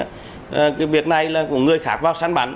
cái việc này là của người khác vào sán bắn